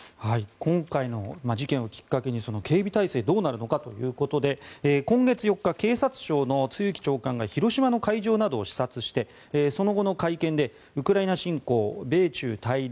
今回の事件をきっかけにその警備態勢どうなるのかということで今月４日、警察庁の露木長官が広島の会場などを視察してその後の会見でウクライナ侵攻、米中対立